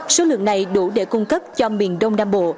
số lượng này đủ để cung cấp cho miền đông nam bộ